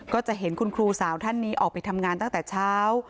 ก็จะเห็นคุณครูสาวท่านนี้ออกไปทำงานตั้งแต่เช้า